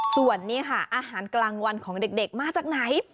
ส่วนนี้ค่ะอาหารกลางวันของเด็กมาจากไหน